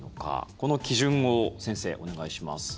この基準を、先生お願いします。